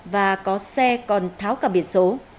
và có xe còn tháo cả biển số